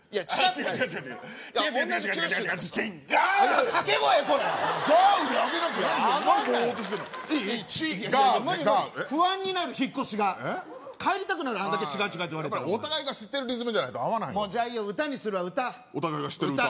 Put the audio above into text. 「ちっがーう」ね無理無理不安になる引っ越しが帰りたくなるあんだけ違う違うって言われたらお互いが知ってるリズムじゃないとじゃあいいよ歌にするわ歌お互いが知ってる歌？